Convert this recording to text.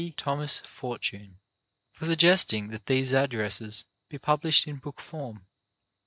Thomas Fortune for suggesting that these addresses be published in book form.